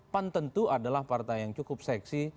pan tentu adalah partai yang cukup seksi